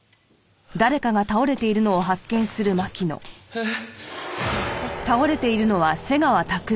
えっ！？